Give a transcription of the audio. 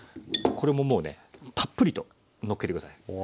これももうねたっぷりとのっけてください。